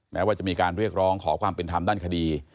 แม้ว่าจะมีการเรียกร้องขอความเป็นธรรมด้านคดี